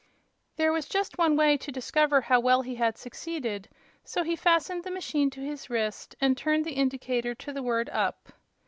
There was just one way to discover how well he had succeeded, so he fastened the machine to his wrist and turned the indicator to the word "up."